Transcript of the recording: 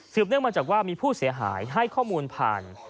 เนื่องมาจากว่ามีผู้เสียหายให้ข้อมูลผ่าน